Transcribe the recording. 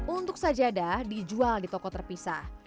untuk sajadah dijual di toko terpisah